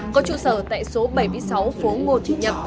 có trụ sở tại số bảy mươi sáu phố ngô chí nhật